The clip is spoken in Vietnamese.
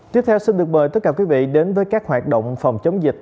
tiếp theo xin được mời tất cả quý vị đến với các hoạt động phòng chống dịch